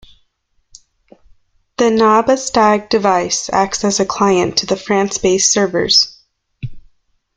The Nabaztag device acts as a client to the France-based servers.